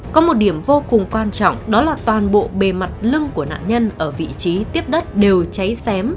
có một điểm vô cùng quan trọng đó là toàn bộ bề mặt lưng của nạn nhân ở vị trí tiếp đất đều cháy xém